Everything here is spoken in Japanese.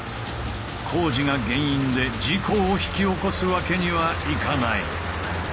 工事が原因で事故を引き起こすわけにはいかない。